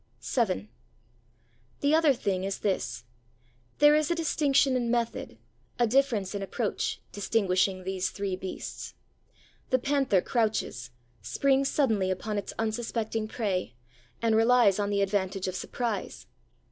VII The other thing is this: there is a distinction in method, a difference in approach, distinguishing these three beasts. The panther crouches, springs suddenly upon its unsuspecting prey, and relies on the advantage of surprise.